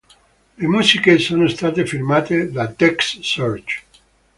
Le musiche sono state firmate da Text Search.